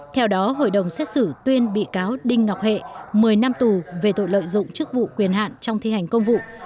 theo đó hội đồng xét xử tuyên bị cáo đinh ngọc hệ một mươi năm tù về tội lợi dụng chức vụ quyền hạn trong thi hành công vụ